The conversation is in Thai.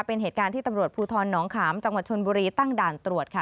เป็นเหตุการณ์ที่ตำรวจภูทรน้องขามจังหวัดชนบุรีตั้งด่านตรวจค่ะ